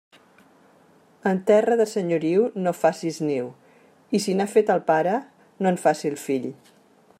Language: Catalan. En terra de senyoriu no facis niu, i si n'ha fet el pare, no en faci el fill.